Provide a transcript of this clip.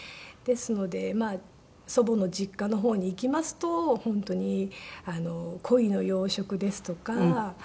ですので祖母の実家の方に行きますと本当にコイの養殖ですとか養鶏場